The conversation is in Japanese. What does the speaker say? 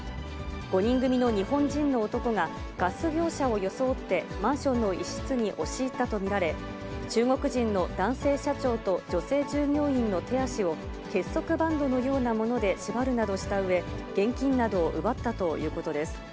５人組の日本人の男がガス業者を装って、マンションの一室に押し入ったと見られ、中国人の男性社長と、女性従業員の手足を結束バンドのようなもので縛るなどしたうえ、現金などを奪ったということです。